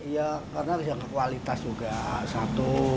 iya karena kualitas juga satu